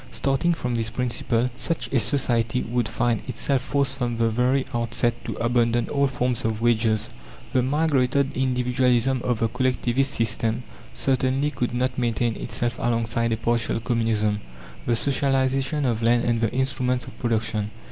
Starting from this principle, such a society would find itself forced from the very outset to abandon all forms of wages. The migrated individualism of the Collectivist system certainly could not maintain itself alongside a partial communism the socialization of land and the instruments of production.